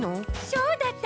そうだった！